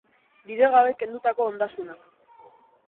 Bidegabe kendutako ondasunak.